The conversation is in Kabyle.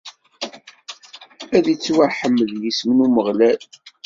Ad ittwaḥmed yisem n Umeɣlal.